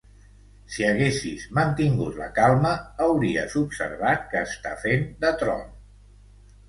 Si haguessis mantingut la calma, hauries observat que està fent de troll.